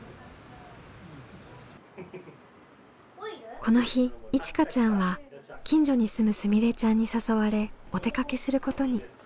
この日いちかちゃんは近所に住むすみれちゃんに誘われお出かけすることに。